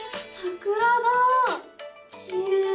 きれい。